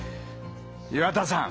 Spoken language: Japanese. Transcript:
岩田さん。